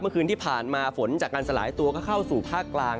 เมื่อคืนที่ผ่านมาฝนจากการสลายตัวก็เข้าสู่ภาคกลาง